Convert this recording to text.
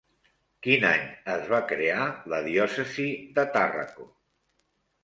Quin any es va crear la diòcesi de Tàrraco?